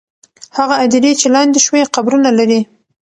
هغه هدیرې چې لاندې شوې، قبرونه لري.